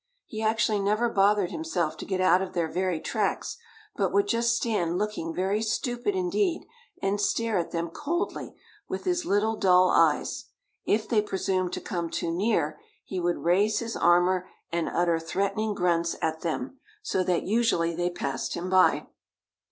He actually never bothered himself to get out of their very tracks, but would just stand looking very stupid indeed, and stare at them coldly with his little, dull eyes; if they presumed to come too near he would raise his armor and utter threatening grunts at them, so that usually they passed him by.